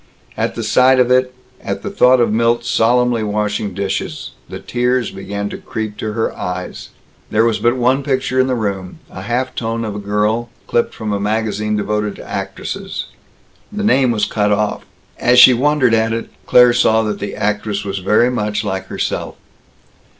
At the sight of it, at the thought of Milt solemnly washing dishes, the tears began to creep to her eyes. There was but one picture in the room a half tone of a girl, clipped from a magazine devoted to actresses. The name was cut off. As she wondered at it, Claire saw that the actress was very much like herself.